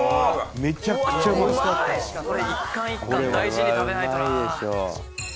「これ１貫１貫大事に食べないとな」